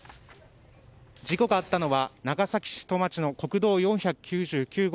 事故があったのは長崎市の国道４９９号。